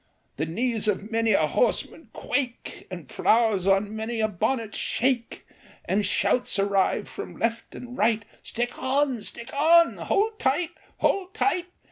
The knees of many a horseman quake, The flowers on many a bonnet shake, And shouts arise from left and right, "Stick on! Stick on!" " Hould tight! Hould tight